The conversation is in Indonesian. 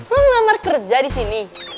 lo ngelamar kerja di sini